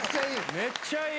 めっちゃいい！